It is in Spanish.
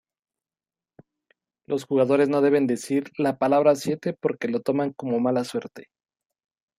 Los jugadores no deben decir la palabra siete porque lo toman como mala suerte.